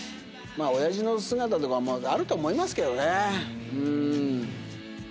まぁ親父の姿とかもあると思いますけどねうん。